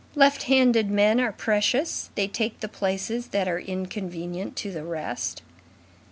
Left handed men are precious; they take the places that are inconvenient to the rest.